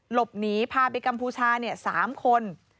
หลบหนีพาไปกัมพูชา๓คน